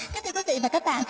các thưa quý vị và các bạn